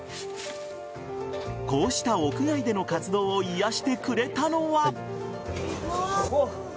こうした屋外での活動を癒やしてくれたのは。